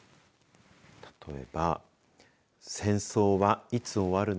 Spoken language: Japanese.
例えば、戦争はいつ終わるの？